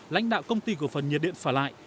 lãnh đạo công ty cổ phần nhiệt điện phả lại